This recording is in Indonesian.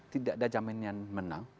tidak ada jaminan menang